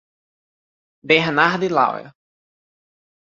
Bernardo e Laura